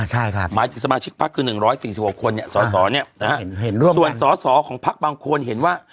หมายถึงสมาชิกพักคือ๑๔๖คนสสส่วนสอสอของพักบางคนเห็นว่า